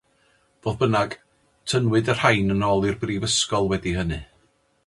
Fodd bynnag, tynnwyd y rhain yn ôl o'r Brifysgol wedi hynny.